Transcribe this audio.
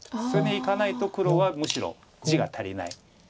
それにいかないと黒はむしろ地が足りない。